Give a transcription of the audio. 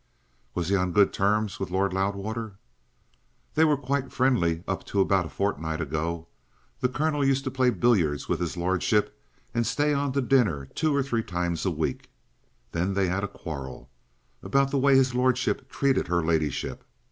"Was he on good terms with Lord Loudwater?" "They were quite friendly up to about a fortnight ago. The Colonel used to play billiards with his lordship and stay on to dinner two or three times a week. Then they had a quarrel about the way his lordship treated her ladyship.